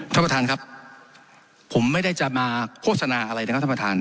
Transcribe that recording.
ท่านประธานครับผมไม่ได้จะมาโฆษณาอะไรนะครับท่านประธาน